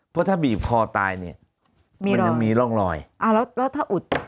เพราะถ้าบีบปอกตายเนี่ยมันยังมีล่องไล่